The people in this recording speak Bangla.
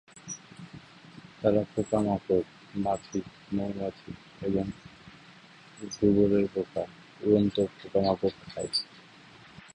তারা পোকামাকড়, মাছি, মৌমাছি এবং গুবরে পোকা, উড়ন্ত পোকামাকড় খায়।